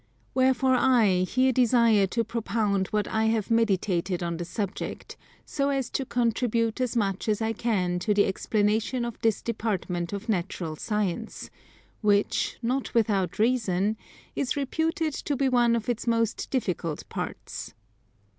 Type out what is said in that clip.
Wherefore I here desire to propound what I have meditated on the subject, so as to contribute as much as I can to the explanation of this department of Natural Science, which, not without reason, is reputed to be one of its most difficult parts.